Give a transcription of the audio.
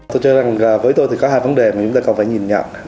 tôi cho rằng với tôi thì có hai vấn đề mà chúng ta còn phải nhìn nhận